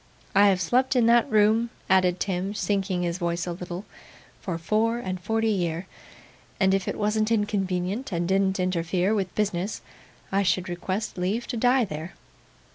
I have slept in that room,' added Tim, sinking his voice a little, 'for four and forty year; and if it wasn't inconvenient, and didn't interfere with business, I should request leave to die there.